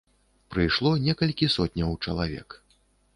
Прыйшло некалькі сотняў чалавек.